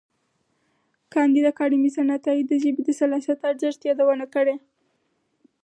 کانديد اکاډميسن عطايي د ژبې د سلاست ارزښت یادونه کړې ده.